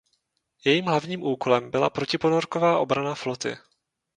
Jejím hlavním úkolem byla protiponorková obrana floty.